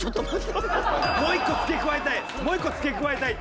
もう１個付け加えたい。